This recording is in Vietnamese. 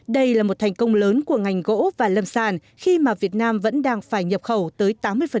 đây là một thành công lớn của ngành gỗ và lâm sản khi mà việt nam vẫn đang phải nhập khẩu tới tám mươi